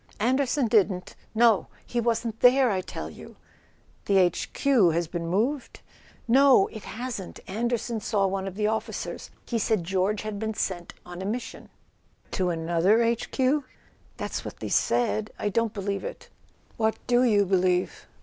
"Anderson didn't? No. He wasn't there, I tell you !" "The H. Q. has been moved?" "No, it hasn't. Anderson saw one of the officers. He said George had been sent on a mission." "To another H. Q.?" "That's what they said. I don't believe it." "What do you believe?"